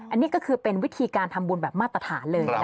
อันนี้ก็คือเป็นวิธีการทำบุญแบบมาตรฐานเลย